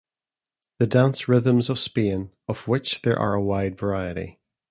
The dance rhythms of Spain, of which there are a wide variety.